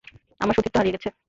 আমার সতীত্বও হারিয়ে গেছে!